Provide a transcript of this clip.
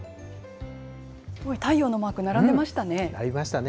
太陽のマーク並んでましたね。